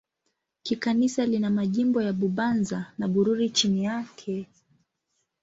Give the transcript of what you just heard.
Kikanisa lina majimbo ya Bubanza na Bururi chini yake.